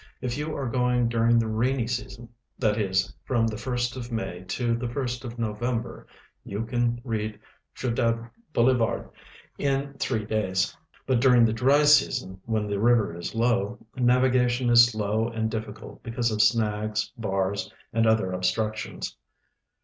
If Amu are going during the rainy season — that is, from the first of IMay tO' the first of November — you can reach Ciudad Bolivar in three days ; hut during the dry season, when the river is low, naviga tion is slow and difficult because of snags, bars, and other ob structions.